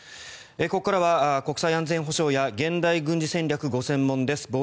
ここからは国際安全保障や現代軍事戦略がご専門です